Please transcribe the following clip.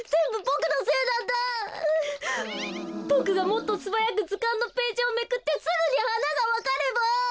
ボクがもっとすばやくずかんのページをめくってすぐにはながわかれば。